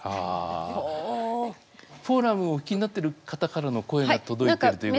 フォーラムをお聞きになっている方からの声が届いてるということで。